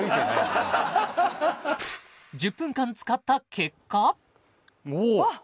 １０分間使った結果おおっ！